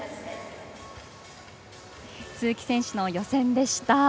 鈴木選手の予選でした。